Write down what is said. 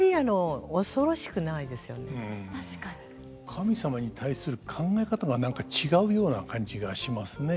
神様に対する考え方が何か違うような感じがしますね。